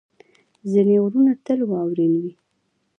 ځینې غرونه تل واورین وي.